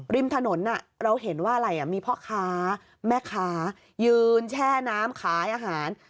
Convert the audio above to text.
ริมถนนเราเห็นว่าอะไรมีพ่อค้าแม่ค้ายืนแช่น้ำขายอาหาร